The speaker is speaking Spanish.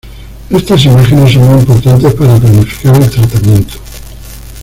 Estas imágenes son muy importantes para planificar el tratamiento.